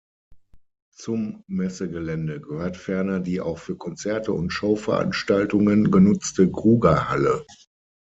Zum Messegelände gehört ferner die auch für Konzerte und Show-Veranstaltungen genutzte Grugahalle.